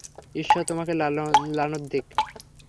ঈশ্বর তোকে লানত দিক!